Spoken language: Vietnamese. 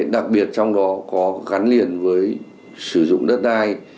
đặc biệt trong đó có gắn liền với sử dụng đất đai